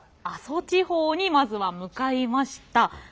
阿蘇地方にまずは向かいました。